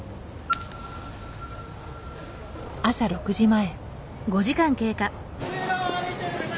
朝６時前。